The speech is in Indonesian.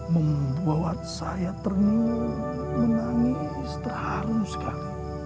membuat saya ternyum menangis terharu sekali